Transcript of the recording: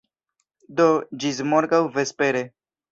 Do, ĝis morgaŭ vespere.